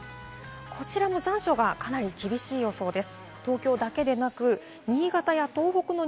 こちらも残暑がかなり厳しい予想です。